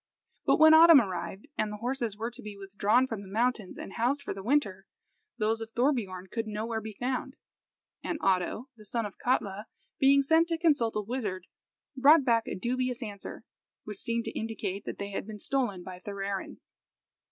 But when autumn arrived, and the horses were to be withdrawn from the mountains and housed for the winter, those of Thorbiorn could nowhere be found, and Oddo, the son of Katla, being sent to consult a wizard, brought back a dubious answer, which seemed to indicate that they had been stolen by Thorarin.